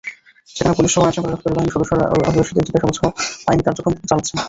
সেখানে পুলিশসহ আইনশৃঙ্খলা রক্ষাকারী বাহিনীর সদস্যরা অভিবাসীদের জিজ্ঞাসাবাদসহ আইনি কার্যক্রম চালাচ্ছেন।